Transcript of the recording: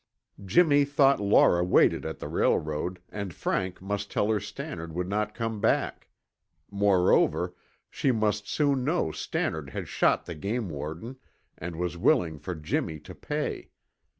Jimmy thought Laura waited at the railroad and Frank must tell her Stannard would not come back. Moreover, she must soon know Stannard had shot the game warden and was willing for Jimmy to pay.